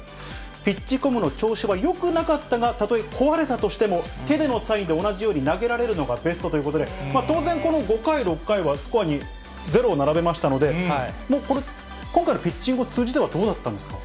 ピッチコムの調子はよくなかったが、たとえ壊れたとしても手でのサインで同じように投げられるのがベストということで、当然、５回、６回はスコアに０を並べましたので、これ、今回のピッチングを通じてはどうだったんですか。